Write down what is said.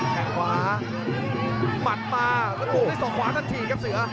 แข่งขวาหมัดมาโอ้โหแล้วที่สองขวานั่นถีกครับเสือ